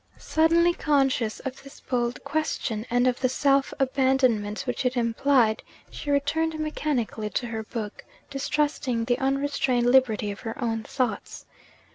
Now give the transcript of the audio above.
Suddenly conscious of this bold question, and of the self abandonment which it implied, she returned mechanically to her book, distrusting the unrestrained liberty of her own thoughts.